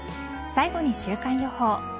最後に週間予報。